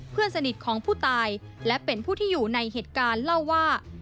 เพื่อนสนิทของผู้ตายและเป็นผู้ที่อยู่ในเหตุการณ์เล่าว่า